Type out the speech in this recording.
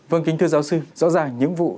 vâng kính thưa giáo sư rõ ràng những vụ